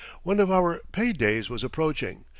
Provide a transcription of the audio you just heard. One of our pay days was approaching.